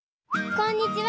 こんにちは！